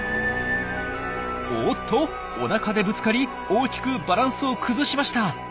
おっとおなかでぶつかり大きくバランスを崩しました。